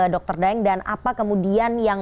dr daeng dan apa kemudian yang